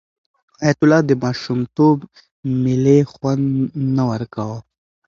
حیات الله ته د ماشومتوب مېلې خوند نه ورکاوه.